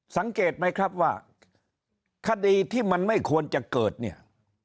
สังเกตไหมครับว่าคดีที่มันไม่ควรจะเกิดเนี่ย